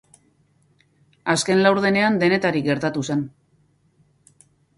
Azken laurdenean denetarik gertatu zen.